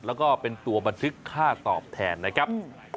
แล้วก็เป็นตัวบันทึกค่าตอบแทนนะครับ